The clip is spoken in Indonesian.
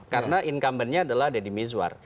karena incumbentnya adalah deddy mizwar